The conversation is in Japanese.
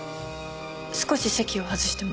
少し席を外しても？